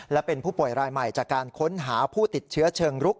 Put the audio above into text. และเป็นผู้ป่วยรายใหม่จากการค้นหาผู้ติดเชื้อเชิงรุก